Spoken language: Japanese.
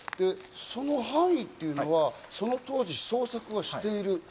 その範囲っていうのはその当時、捜索はしている。